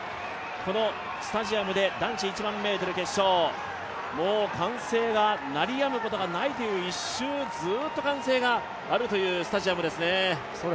このスタジアムで男子１００００ｍ決勝、歓声が鳴りやむことがないという、１周、ずっと歓声があるというスタジアムですね。